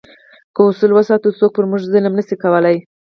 که اصول وساتو، څوک پر موږ ظلم نه شي کولای.